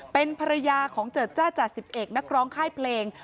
เป็นภรรยาของเจิดจ้าจ่าสิบเอกนักร้องค่ายเพลง